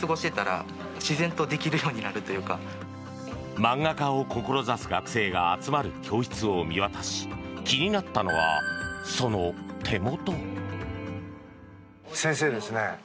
漫画家を志す学生が集まる教室を見渡し気になったのはその手元。